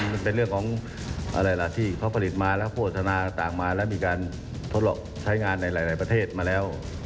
มันเป็นเรื่องของอะไรล่ะที่เขาผลิตมาแล้วโฆษณาต่างมาแล้วมีการทดลองใช้งานในหลายประเทศมาแล้ว